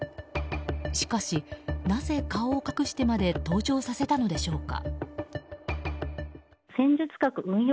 しかし、なぜ顔を隠してまで登場させたのでしょうか。